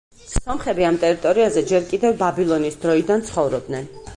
სომხები ამ ტერიტორიაზე ჯერ კიდევ ბაბილონის დროიდან ცხოვრობდნენ.